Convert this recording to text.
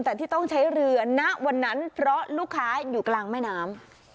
แต่ที่ต้องใช้เรือณวันนั้นเพราะลูกค้าอยู่กลางแม่น้ำ